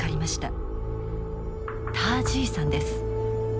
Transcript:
ター・ジーさんです。